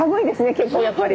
結構やっぱり。